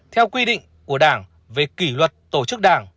theo quy định của đảng về kỷ luật tổ chức đảng